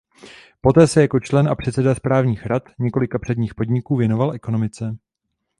Poté se jako člen a předseda správních rad několika předních podniků věnoval ekonomice.